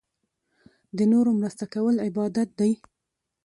د نورو مرسته کول عبادت دی.